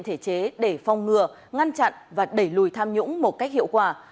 thể chế để phong ngừa ngăn chặn và đẩy lùi tham nhũng một cách hiệu quả